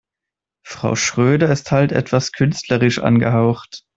Frau Schröder ist halt etwas künstlerisch angehaucht.